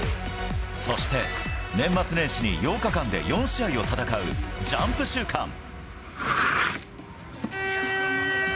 そして、年末年始に８日間で４試合を戦うジャンプ週間。